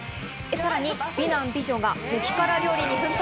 さらに美男美女が激辛料理に奮闘。